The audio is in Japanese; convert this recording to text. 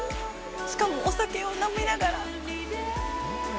しかも、お酒を飲みながら。